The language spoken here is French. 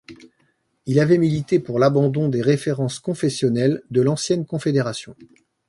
Il avait milité pour l’abandon des références confessionnelles de l’ancienne confédération.